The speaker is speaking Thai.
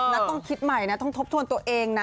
ต้องคิดใหม่นะต้องทบทวนตัวเองนะ